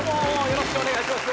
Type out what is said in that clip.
よろしくお願いします。